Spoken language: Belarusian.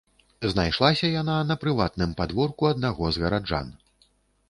Знайшлася яна на прыватным падворку аднаго з гараджан.